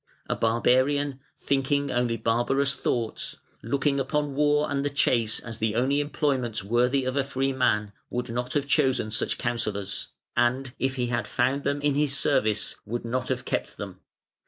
A barbarian, thinking only barbarous thoughts, looking upon war and the chase as the only employments worthy of a free man, would not have chosen such counsellors, and, if he had found them in his service, would not have kept them.